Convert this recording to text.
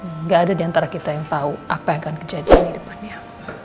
nggak ada diantara kita yang tahu apa yang akan kejadi di depannya